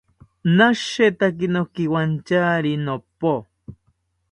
Nashetaki nokiwantyari nopo